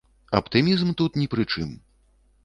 Аптымізм тут ні пры чым.